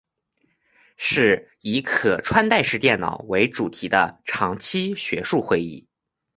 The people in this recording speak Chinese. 是以可穿戴式电脑为主题的长期学术会议。